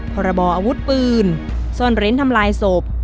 พรบออาวุธปืนซ่อนเร้นทำลายศพ